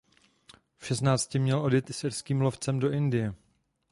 V šestnácti měl odjet s irským lovce do Indie.